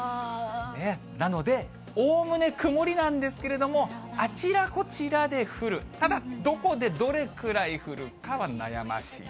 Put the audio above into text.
なので、おおむね曇りなんですけれども、あちらこちらで降る、ただどこでどれくらい降るかというのは悩ましい。